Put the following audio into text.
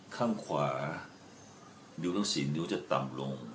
ข้างขวาดูทั้ง๔นิ้วจะต่ำลง